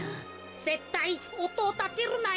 ぜったいおとをたてるなよ。